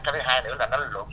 cái thứ hai nữa là nó lượm